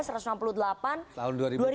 tahun dua ribu tujuh yang puncaknya ya